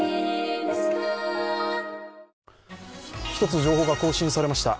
１つ情報が更新されました。